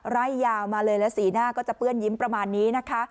ไล่ยาวมาเลยแล้วสีหน้าก็จะเปื้อนยิ้มประมาณนี้นะคะ